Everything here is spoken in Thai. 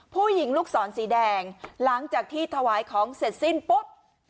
ผู้หญิงลูกศรสีแดงหลังจากที่ถวายของเสร็จสิ้นปุ๊บ